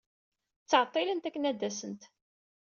Ttɛeḍḍilent akken ad d-asent.